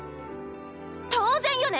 当然よね